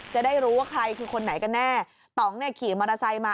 จะได้รู้ว่าใครคือคนไหนกันแน่ต่องเนี่ยขี่มอเตอร์ไซค์มา